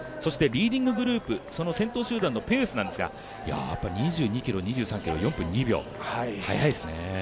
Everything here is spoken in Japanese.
リーディンググループ、先頭集団のペースなんですが２２ｋｍ、２３ｋｍ、４分２秒、速いですね。